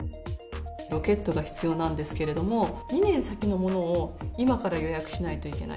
ロケットが必要なんですけれども、２年先のものを今から予約しないといけない。